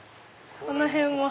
この辺も。